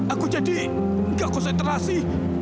aku jadi gak konsentrasi